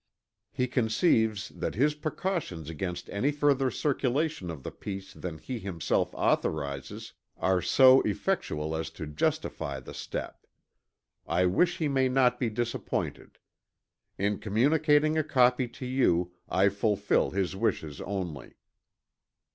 He conceives that his precautions against any further circulation of the piece than he himself authorizes, are so effectual as to justify the step. I wish he may not be disappointed. In communicating a copy to you, I fulfill his wishes only."